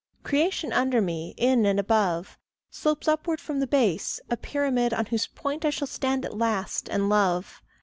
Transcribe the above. Creation under me, in, and above, Slopes upward from the base, a pyramid, On whose point I shall stand at last, and love.